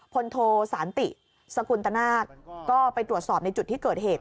พลโทสานติสกุลตนาศก็ไปตรวจสอบในจุดที่เกิดเหตุ